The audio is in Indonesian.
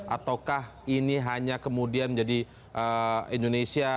ataukah ini hanya kemudian jadi indonesia